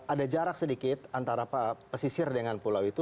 ada jarak sedikit antara pesisir dengan pulau itu